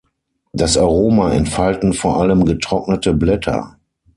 Das Aroma entfalten vor allem getrocknete Blätter.